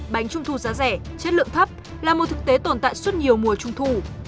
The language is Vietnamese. bánh trung thu giá rẻ chất lượng thấp là một thực tế tồn tại suốt nhiều mùa trung thu